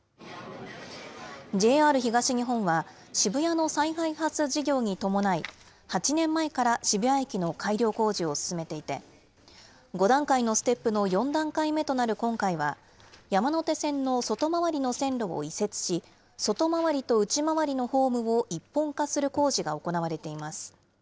ＪＲ東日本は、渋谷の再開発事業に伴い、８年前から渋谷駅の改良工事を進めていて、５段階のステップの４段階目となる今回は、山手線の外回りの線路を移設し、外回りと内回りのホームを１本化する工事が行われています。